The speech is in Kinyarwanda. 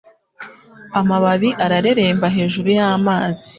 Amababi areremba hejuru y'amazi.